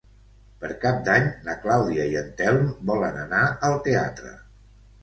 Per Cap d'Any na Clàudia i en Telm volen anar al teatre.